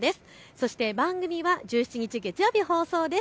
そして番組は１７日月曜日放送です。